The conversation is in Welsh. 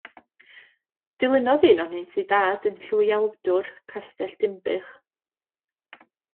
Dilynodd un ohonynt ei dad yn llywiawdwr Castell Dinbych.